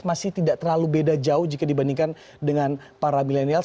masih tidak terlalu beda jauh jika dibandingkan dengan para milenials